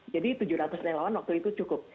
jadi tujuh ratus relawan waktu itu cukup